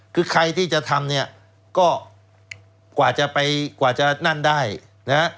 คือใครที่จะทำเนี่ยก็กว่าจะไปกว่าจะนั่นได้นะฮะ